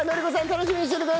楽しみにしててくださいね！